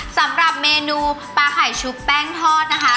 สำหรับเมนูปลาไข่ชุบแป้งทอดนะคะ